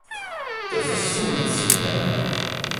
To je fascinující, ne?